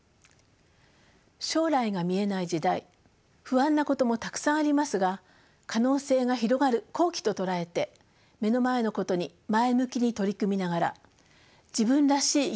将来が見えない時代不安なこともたくさんありますが可能性が広がる好機と捉えて目の前のことに前向きに取り組みながら自分らしい生き方をしていきたいと思います。